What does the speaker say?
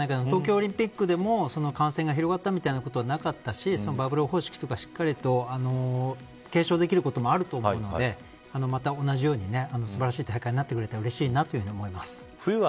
東京オリンピックでも感染が広がったみたいな話はなかったしバブル方式とかしっかりと継承できることもあると思うのでまた同じように素晴らしい大会になってくれたらうれしいと思います。